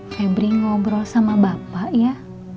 febri ngobrol sama bapak ya